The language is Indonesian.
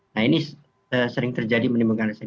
nah ini sering terjadi menyebabkan resiko